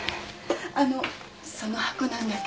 あのその箱なんだけど。